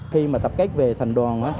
khi mà tập kết về thành đoàn